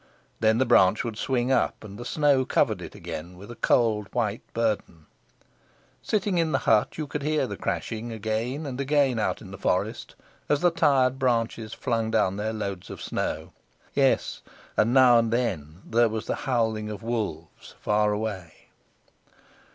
Then the branch would swing up, and the snow covered it again with a cold white burden. Sitting in the hut you could hear the crashing again and again out in the forest, as the tired branches flung down their loads of snow. Yes, and now and then there was the howling of wolves far away.